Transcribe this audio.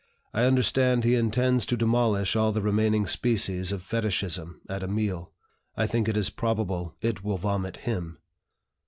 I understand he intends to demolish all the remaining species of Fetichism at a meal. I think it is probable it will vomit him."